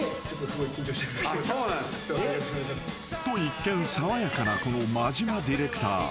［と一見爽やかなこの間島ディレクター］